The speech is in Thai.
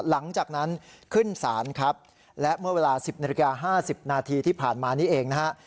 หลังจากนั้นขึ้นศาลครับและเมื่อเวลา๑๐นาฬิกา๕๐นาทีที่ผ่านมานี้เองนะฮะ